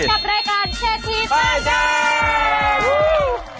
จับรายการเชภีไปท่าย